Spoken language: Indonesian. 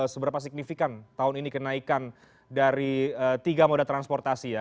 seberapa signifikan tahun ini kenaikan dari tiga moda transportasi ya